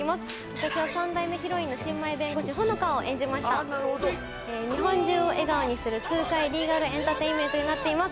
私は３代目ヒロインの新米弁護士穂乃果を演じました日本中を笑顔にする痛快リーガルエンターテインメントになっています